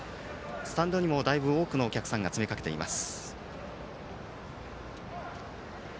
スタンドにもだいぶ多くのお客さんが詰め掛けています。